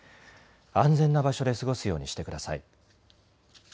安全な場所で過ごすようにしてください。